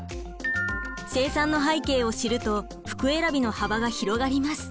生産の背景を知ると服選びの幅が広がります。